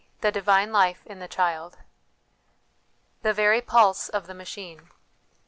THE DIVINE LIFE IN THE CHILD " The very Pulse of the Machine."